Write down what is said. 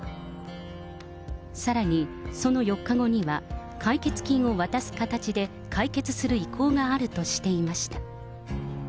さらにその４日後には、解決金を渡す形で解決する意向があるとしていました。